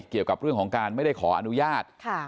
เกี่ยวกับเรื่องของการไม่ได้ขออนุญาต